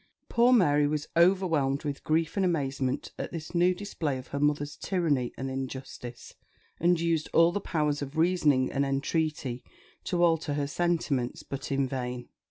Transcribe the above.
Poor Mary was overwhelmed with grief and amazement at this new display of her mother's tyranny and injustice, and used all the powers of reasoning and entreaty to alter her sentiments; but in vain.